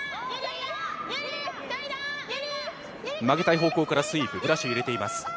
曲げたい方向からスイープ、ブラシを入れています。